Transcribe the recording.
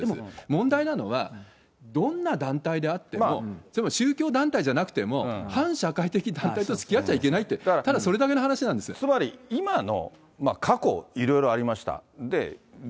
問題なのは、どんな団体であっても、例えば宗教団体じゃなくても、反社会的団体とつきあっちゃいけないって、ただそれだけの話なんつまり、今も、過去、いろいろありました。